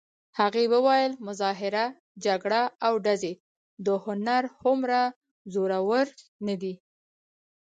هغې ویل: مظاهره، جګړه او ډزې د هنر هومره زورور نه دي.